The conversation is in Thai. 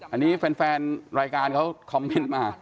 อันนี้แฟนรายการเขาคอมเมนต์มา